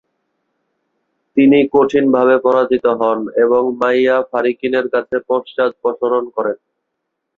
তিনি কঠিনভাবে পরাজিত হন এবং মাইয়াফারিকীনের কাছে পশ্চাদপসরণ করেন।